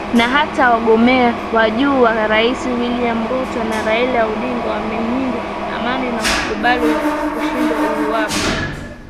Na hata wagombea wa juu wa urais William Ruto na Raila Odinga wameahidi amani na kukubali kushindwa iwapo upigaji kura utakuwa huru na wa haki